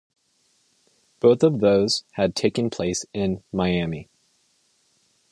Both of those had taken place in Miami.